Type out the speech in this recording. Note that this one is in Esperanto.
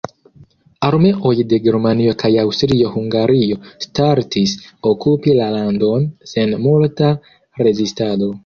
Armeoj de Germanio kaj Aŭstrio-Hungario startis okupi la landon sen multa rezistado.